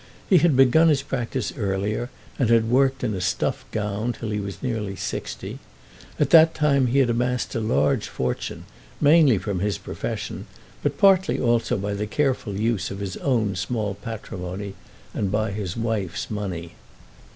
He had begun his practice early, and had worked in a stuff gown till he was nearly sixty. At that time he had amassed a large fortune, mainly from his profession, but partly also by the careful use of his own small patrimony and by his wife's money.